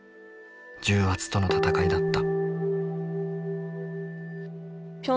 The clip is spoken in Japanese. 重圧との戦いだった。